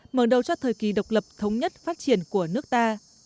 mở đầu cho thời kỳ độc lập thống nhất phát triển của nước ta